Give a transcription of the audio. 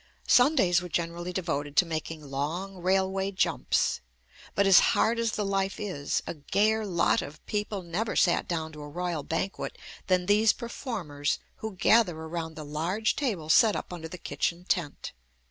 Sundays were generally devoted to making long railway JUST ME jumps. But as hard as the life is, a gayer lot of people never sat down to a royal banquet than these performers who gather around the large table set up under the kitchen tent.